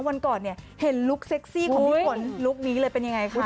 วันก่อนเห็นลูกเซ็กซี่ของพี่ฝนลูกนี้เลยเป็นอย่างไรคะ